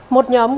một nhóm gần